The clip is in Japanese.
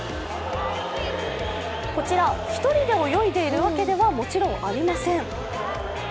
こちら、１人で泳いでいるわけではもちろんありません。